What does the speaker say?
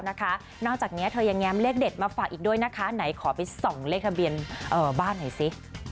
นอกจากนี้เธอยังแง้มเลขเด็ดมาฝากอีกด้วยนะคะไหนขอไปส่องเลขทะเบียนบ้านหน่อยสิ